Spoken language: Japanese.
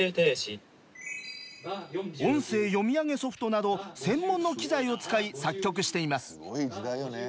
音声読み上げソフトなど専門の機材を使い作曲しています。